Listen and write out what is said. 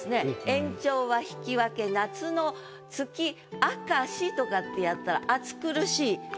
「延長は引き分け夏の月赤し」とかってやったらほんとだ。